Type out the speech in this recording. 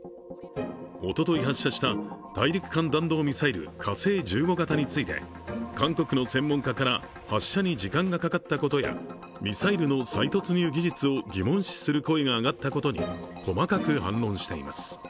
おととい発射した大陸間弾道ミサイル、火星１５型について韓国の専門家から発射に時間がかかったことやミサイルの再突入技術を疑問視する声が上がったことに細かく反論しています。